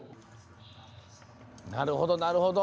なるほどなるほど。